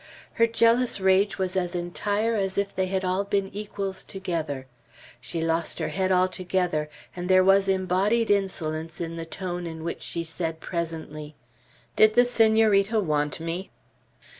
Her jealous rage was as entire as if they had all been equals together. She lost her head altogether, and there was embodied insolence in the tone in which she said presently, "Did the Senorita want me?"